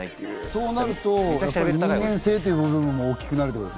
そうなると人間性という部分も大きくなる。